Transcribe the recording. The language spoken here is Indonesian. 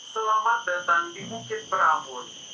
selamat datang di bukit beramun